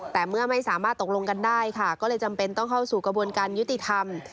แต่เมื่อไม่สามารถตกลงกันได้ค่ะก็เลยจำเป็นต้องเข้าสู่กระบวนการยุติธรรม